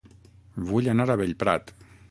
Vull anar a Bellprat